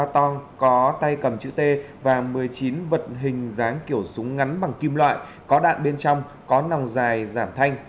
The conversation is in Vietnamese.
ba tong có tay cầm chữ t và một mươi chín vật hình dáng kiểu súng ngắn bằng kim loại có đạn bên trong có nòng dài giảm thanh